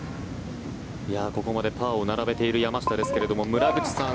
ここまでパーを並べている山下ですけれども村口さん